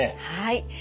はい。